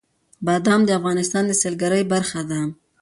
بادام د افغانستان د سیلګرۍ برخه ده.